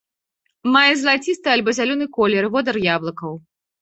Мае залацісты альбо зялёны колер і водар яблыкаў.